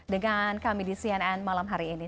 dengan kami di cnn malam hari ini